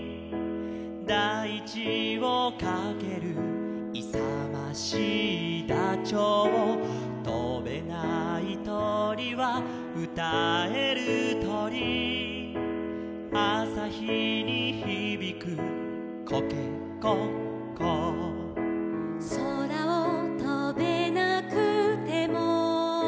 「だいちをかける」「いさましいダチョウ」「とべないとりはうたえるとり」「あさひにひびくコケコッコー」「そらをとべなくても」